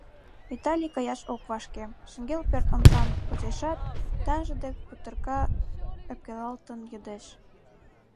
Виталий каяш ок вашке, шеҥгел пӧрт омсам почешат, таҥже деч путырак ӧпкелалтын йодеш: